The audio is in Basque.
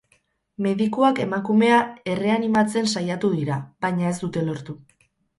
Medikuak emakumea erreanimatzen saiatu dira, baina ez dute lortu.